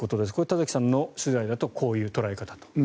田崎さんの取材だとこういう捉え方だと。